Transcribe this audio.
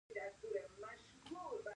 یخني څه جامې غواړي؟